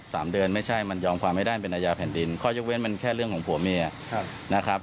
สามเดือนไม่ใช่มันยอมความไม่ได้เป็นอาญาแผ่นดินข้อยกเว้นมันแค่เรื่องของผัวเมียครับนะครับ